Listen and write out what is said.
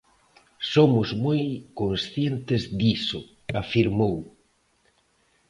"Somos moi conscientes diso", afirmou.